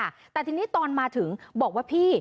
ยังมายนี้ตอนมาถึงบอกว่าพี่